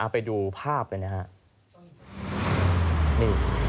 ไปดูภาพเลยนะฮะ